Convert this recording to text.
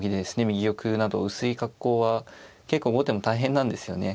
右玉など薄い格好は結構後手も大変なんですよね。